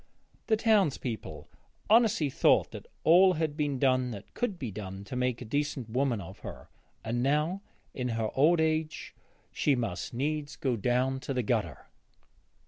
The townsfolk honestly thought that all had been done that could be done to make a decent woman of her, and now in her old age she must needs go down to the gutter.